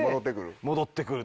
戻ってくる？